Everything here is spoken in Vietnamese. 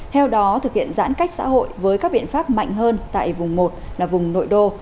theo đó thực hiện giãn cách xã hội với các biện pháp mạnh hơn tại vùng một là vùng nội đô